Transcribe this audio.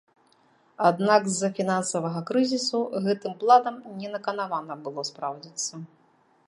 Аднак з-за фінансавага крызісу гэтым планам не наканавана было спраўдзіцца.